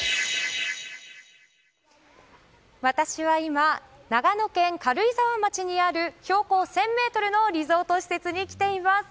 私は今、長野県軽井沢町にある標高１０００ｍのリゾート施設に来ています。